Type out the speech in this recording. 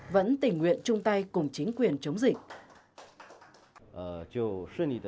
vẫn tình nguyện chung tay cùng chính quyền chống dịch